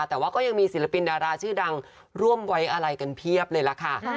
แต่ว่าก็ยังมีศิลปินดาราชื่อดังร่วมไว้อะไรกันเพียบเลยล่ะค่ะ